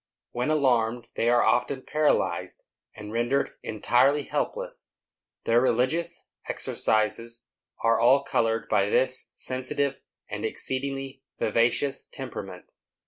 When alarmed, they are often paralyzed, and rendered entirely helpless. Their religious exercises are all colored by this sensitive and exceedingly vivacious temperament.